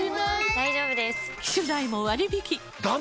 大丈夫です！